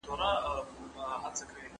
¬ د پېښي څخه تښته نسته.